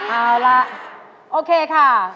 เอาล่ะโอเคค่ะ